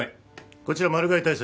こちらマル害対策